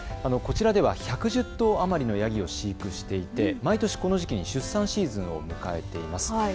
こちらでは１１０頭余りのヤギを飼育していて毎年この時期に出産シーズンを迎えています。